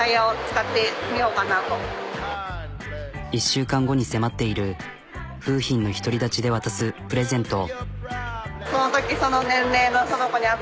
１週間後に迫っている楓浜の独り立ちで渡すプレゼント。